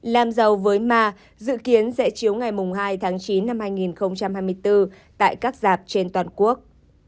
làm giàu với ma dự kiến sẽ chiếu ngày hai tháng chín năm hai nghìn hai mươi bốn tại các dạp trên toàn quốc